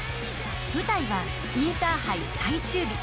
舞台はインターハイ最終日。